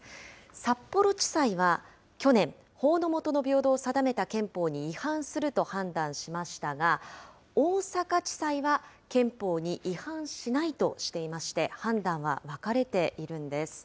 札幌地裁は去年、法の下の平等を定めた憲法に違反すると判断しましたが、大阪地裁は憲法に違反しないとしていまして、判断は分かれているんです。